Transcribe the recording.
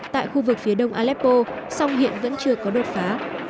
tại khu vực phía đông aleppo song hiện vẫn chưa có đột phá